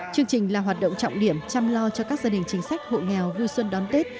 chương trình là hoạt động trọng điểm chăm lo cho các gia đình chính sách hộ nghèo vui xuân đón tết